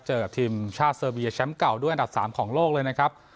กับทีมชาติเซอร์เบียแชมป์เก่าด้วยอันดับ๓ของโลกเลยนะครับ